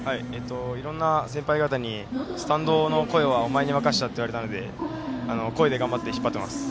いろんな先輩方にスタンドの声はお前に任せたと言われたので声で頑張って引っ張っています。